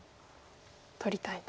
取りたいと。